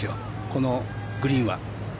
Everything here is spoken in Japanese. このグリーンは。